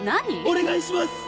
お願いします！